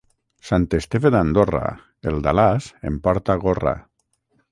Sant Esteve d'Andorra, el d'Alàs en porta gorra.